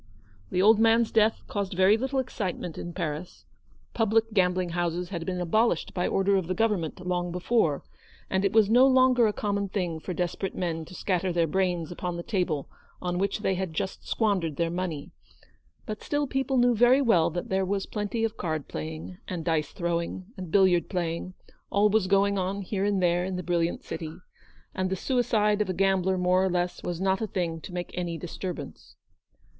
The old man's death caused very little excite ment in Paris. Public gambling houses had been abolished by the order of the Government long before ; and it was no longer a common thing for desperate men to scatter their brains upon the table on which they had just squandered their money; but still people knew very well that there was plenty of card playing, and dice throwing, and billiard playing, always going on here and there in the brilliant city, and the suicide of a gambler more or less was not a thing to make any disturbance.